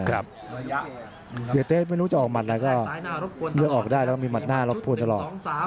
เอกตะวันไม่รู้จะออกหมัดแล้วก็เลือกออกได้แล้วมีหมัดหน้ารบปวนตลอด